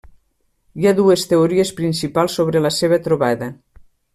Hi ha dues teories principals sobre la seva trobada.